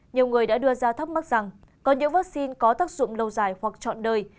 nhiều người đã đưa ra thắc mắc rằng có những vaccine có tác dụng lâu dài hoặc chọn đời